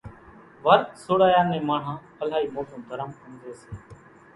ورت سوڙايا نين ماڻۿان الائي موٽون درم ۿمزي سي۔